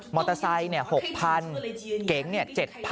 มอเตอร์ไซค์เนี่ย๖๐๐๐เก๋งเนี่ย๗๐๐๐